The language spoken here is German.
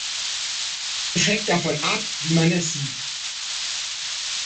Es hängt davon ab, wie man es sieht.